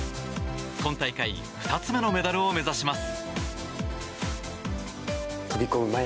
今大会２つ目のメダルを目指します。